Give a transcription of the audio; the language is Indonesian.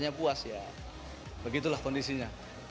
hanya puas ya begitulah kondisinya